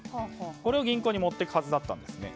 これを銀行に持っていくはずだったんですね。